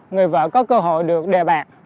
người vợ có cơ hội được đề bạc